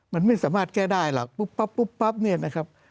มันไม่สามารถแก้ได้หรอกปุ๊บปั๊บปุ๊บปั๊บเนี่ยนะครับ